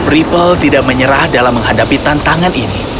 ripple tidak menyerah dalam menghadapi tantangan ini